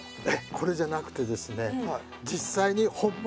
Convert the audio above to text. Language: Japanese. これじゃなくてですね